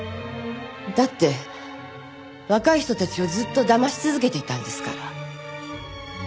だって若い人たちをずっとだまし続けていたんですから。